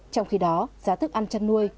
trong khi đó giá thức ăn chăn nuôi